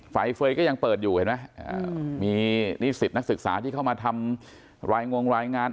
ไฟเฟย์ก็ยังเปิดอยู่เห็นไหมมีนิสิตนักศึกษาที่เข้ามาทำรายงงรายงาน